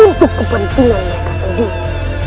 untuk kepentingan mereka sendiri